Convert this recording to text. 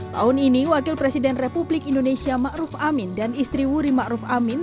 tahun ini wakil presiden republik indonesia ma'ruf amin dan istri wuri ma'ruf amin